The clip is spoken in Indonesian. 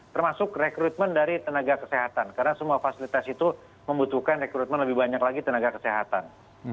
termasuk rekrutmen dari tenaga kesehatan karena semua fasilitas itu membutuhkan rekrutmen lebih banyak lagi tenaga kesehatan